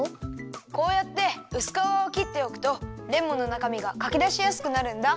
こうやってうすかわをきっておくとレモンのなかみがかきだしやすくなるんだ。